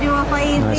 terima kasih mbak faisi